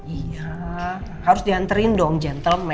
iya harus dianterin dong gentleman